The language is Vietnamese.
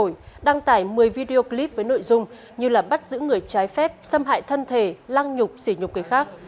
kênh youtube kiên trội đăng tải một mươi video clip với nội dung như bắt giữ người trái phép xâm hại thân thể lăng nhục xỉ nhục người khác